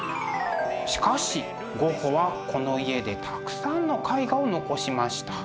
しかしゴッホはこの家でたくさんの絵画を残しました。